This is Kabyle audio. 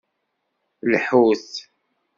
Lḥut!